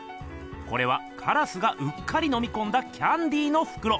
これはカラスがうっかりのみこんだキャンディーのふくろ。